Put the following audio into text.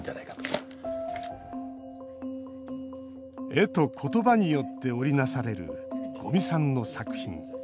絵と言葉によって織り成される五味さんの作品。